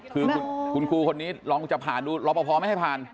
คือคุณครูคนนี้ลองจะผ่านดูรอปภไม่ให้ผ่าน